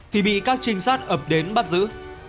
thì bị các trinh sát ập đến bắt giữ